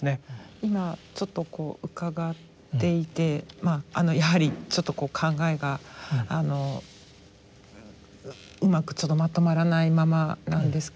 今ちょっとこう伺っていてやはりちょっとこう考えがうまくちょっとまとまらないままなんですけれども。